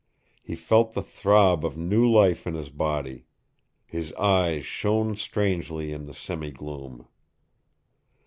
He felt the throb of new life in his body. His eyes shone strangely in the semi gloom.